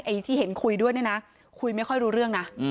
ที่เห็นคุยด้วยเนี่ยนะคุยไม่ค่อยรู้เรื่องนะ